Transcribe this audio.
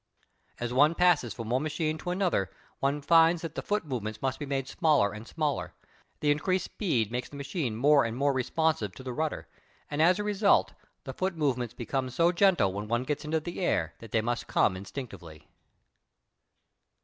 As one passes from one machine to another one finds that the foot movements must be made smaller and smaller. The increased speed makes the machine more and more responsive to the rudder, and as a result the foot movements become so gentle when one gets into the air that they must come instinctively.